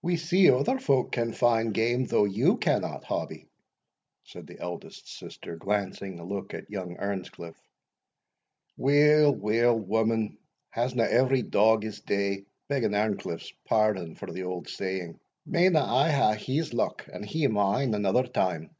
"We see other folk can find game, though you cannot, Hobbie," said the eldest sister, glancing a look at young Earnscliff. "Weel, weel, woman, hasna every dog his day, begging Earnscliff's pardon for the auld saying Mayna I hae his luck, and he mine, another time?